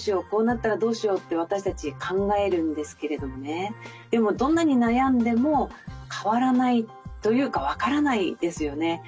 こうなったらどうしようって私たち考えるんですけれどもねでもどんなに悩んでも変わらないというか分からないですよね。